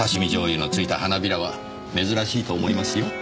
醤油の付いた花びらは珍しいと思いますよ。